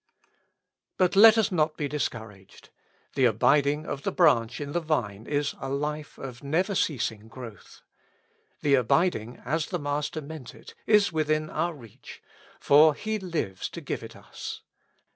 But let us not be discouraged. The abiding of the branch in the Vine is a life of never ceasing growth. The abiding, as the Master meant it, is within our reach, for He lives to give it us.